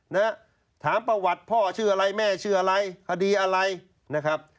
นะฮะถามประวัติพ่อชื่ออะไรแม่ชื่ออะไรคดีอะไรนะครับ